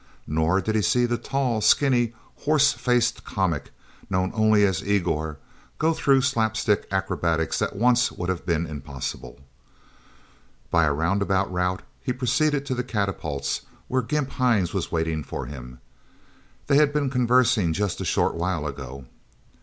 Nor did he see the tall, skinny, horse faced comic, known only as Igor, go through slapstick acrobatics that once would have been impossible... By a round about route he proceeded to the catapults, where Gimp Hines was waiting for him. They had been conversing just a short while ago.